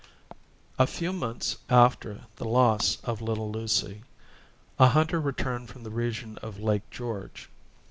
A few months after the loss of little Lucy, a hunter returned from the region of Lake George.